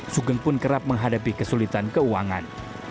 sugeng pun kerap menghadapi kesulitan keuangan